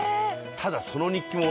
ただその日記も。